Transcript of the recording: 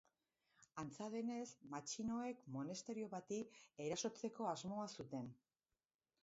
Antza denez, matxinoek monasterio bati erasotzeko asmoa zuten.